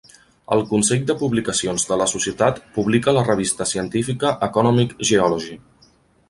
El Consell de Publicacions de la societat publica la revista científica Economic Geology.